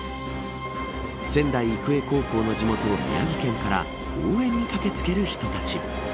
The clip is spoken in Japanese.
仙台育英高校の地元、宮城県から応援に駆け付ける人たち。